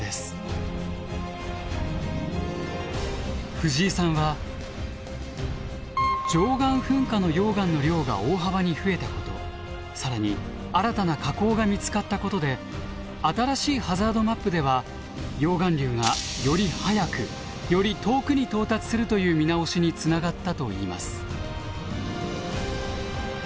藤井さんは貞観噴火の溶岩の量が大幅に増えたこと更に新たな火口が見つかったことで新しいハザードマップでは溶岩流がより早くより遠くに到達するという見直しにつながったと言います。